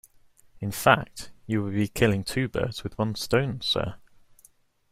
In fact, you will be killing two birds with one stone, sir.